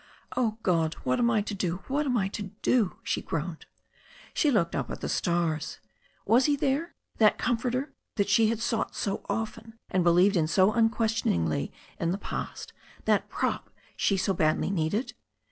"Oh, God! What am I to do, what am I to do?" she groaned. She looked up at the stars. Was He there, that Comforter, that she had sought so often, and believed in so unquestioningly in the past, that prop she so badly needed?